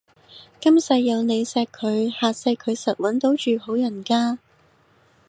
今世有你錫佢，下世佢實搵到住好人家